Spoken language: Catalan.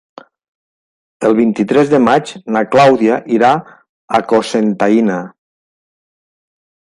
El vint-i-tres de maig na Clàudia irà a Cocentaina.